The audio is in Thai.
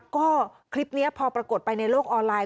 ก็คลิปนี้พอปรากฏไปในโลกออนไลน์